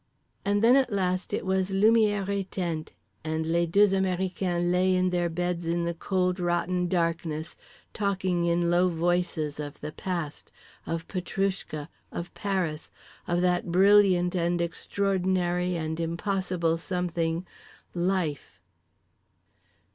… and then at last it was lumières éteintes; and les deux américains lay in their beds in the cold rotten darkness, talking in low voices of the past, of Petroushka, of Paris, of that brilliant and extraordinary and impossible something: Life.